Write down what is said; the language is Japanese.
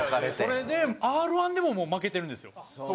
それでＲ−１でも負けてるんですよ。